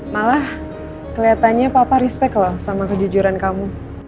malah kelihatannya papa respect loh sama kejujuran kamu